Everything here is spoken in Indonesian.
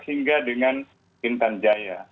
hingga dengan pintan jaya